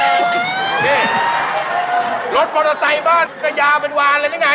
นี่รถมอเตอร์ไซค์บ้านก็ยาวเป็นวานเลยหรือไง